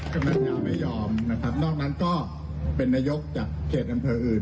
กำดันนักทำให้ยอมนะครับนอกนั้นก็เป็นนโยคจากเกียรติอำเภออื่น